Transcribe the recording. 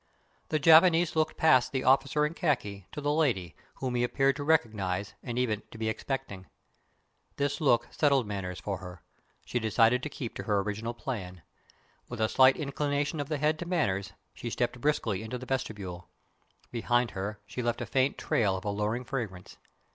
The Japanese looked past the officer in khaki to the lady, whom he appeared to recognize and even to be expecting. This look settled matters for her. She decided to keep to her original plan. With a slight inclination of the head to Manners, she stepped briskly into the vestibule. Behind her, she left a faint trail of alluring fragrance.